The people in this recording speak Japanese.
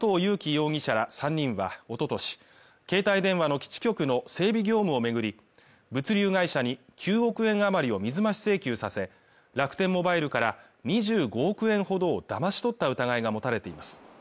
容疑者ら３人は一昨年、携帯電話の基地局の整備業務を巡り、物流会社に９億円余りを水増し請求させ楽天モバイルから２５億円ほどをだまし取った疑いが持たれています。